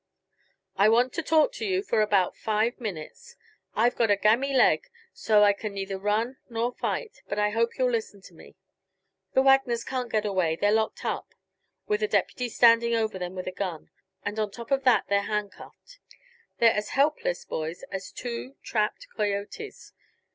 "I want to talk to you for about five minutes. I've got a game leg, so that I can neither run nor fight, but I hope you'll listen to me. The Wagners can't get away they're locked up, with a deputy standing over them with a gun; and on top of that they're handcuffed. They're as helpless, boys, as two trapped coyotes."